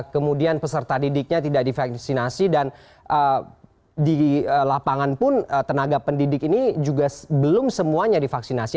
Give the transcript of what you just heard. kemudian peserta didiknya tidak divaksinasi dan di lapangan pun tenaga pendidik ini juga belum semuanya divaksinasi